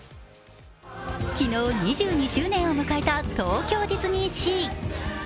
昨日２２周年を迎えた東京ディズニーシー。